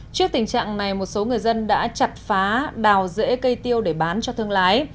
trước tình trạng này một số người dân đã chặt phá đào rễ cây tiêu để bán cho thương lái